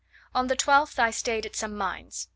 On the 12th I stayed at some mines.